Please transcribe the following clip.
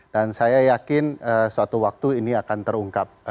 dan saya yakin suatu waktu ini akan terungkap